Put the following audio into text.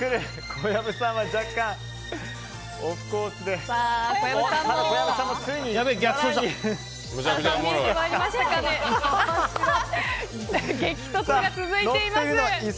小籔さん、激突が続いています。